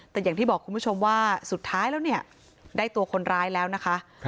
แต่อย่างที่บอกคุณผู้ชมว่าสุดท้ายแล้วเนี่ยได้ตัวคนร้ายแล้วนะคะ